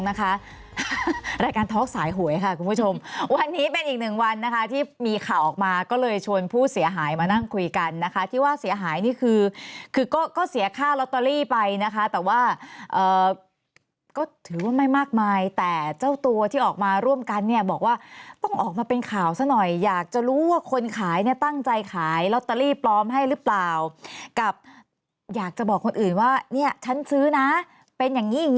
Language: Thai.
นะคะรายการท็อกสายหวยค่ะคุณผู้ชมวันนี้เป็นอีกหนึ่งวันนะคะที่มีข่าวออกมาก็เลยชวนผู้เสียหายมานั่งคุยกันนะคะที่ว่าเสียหายนี่คือคือก็ก็เสียค่าลอตเตอรี่ไปนะคะแต่ว่าก็ถือว่าไม่มากมายแต่เจ้าตัวที่ออกมาร่วมกันเนี่ยบอกว่าต้องออกมาเป็นข่าวซะหน่อยอยากจะรู้ว่าคนขายเนี่ยตั้งใจขายลอตเตอรี่ปลอมให้หรือเปล่ากับอยากจะบอกคนอื่นว่าเนี่ยฉันซื้อนะเป็นอย่างงี